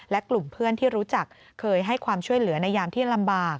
และกลุ่มเพื่อนที่รู้จักเคยให้ความช่วยเหลือในยามที่ลำบาก